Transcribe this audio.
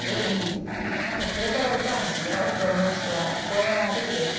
何かこれから歌を始めようって思う人は公園歩いて考えるかもしれないし。